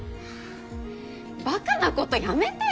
バカなことやめてよ！